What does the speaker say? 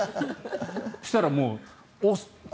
そしたらもう。